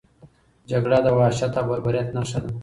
جګړه د وحشت او بربریت نښه ده.